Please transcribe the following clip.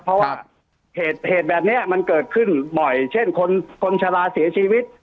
เพราะว่าเหตุแบบนี้มันเกิดขึ้นบ่อยเช่นคนชะลาเสียชีวิต